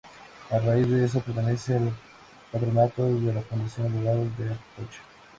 A raíz de eso, pertenece al Patronato de la Fundación Abogados de Atocha.